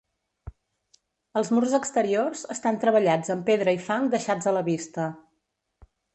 Els murs exteriors estan treballats amb pedra i fang deixats a la vista.